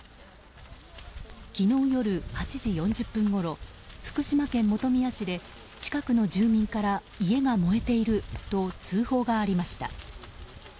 昨日夜８時４０分ごろ福島県本宮市で近くの住民から家が燃えていると通報がありました。